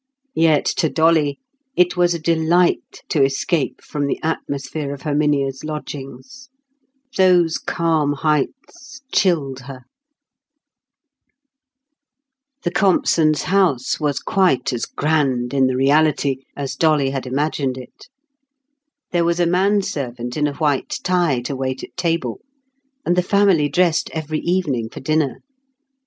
Yet to Dolly it was a delight to escape from the atmosphere of Herminia's lodgings. Those calm heights chilled her. The Compsons' house was quite as "grand" in the reality as Dolly had imagined it. There was a manservant in a white tie to wait at table, and the family dressed every evening for dinner.